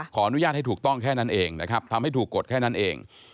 อนุญาตให้ถูกต้องแค่นั้นเองนะครับทำให้ถูกกฎแค่นั้นเอง